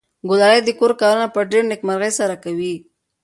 ګلالۍ د کور کارونه په ډېرې نېکمرغۍ سره کوي.